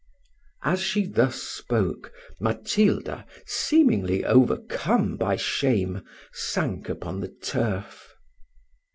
As she thus spoke, Matilda, seemingly overcome by shame, sank upon the turf.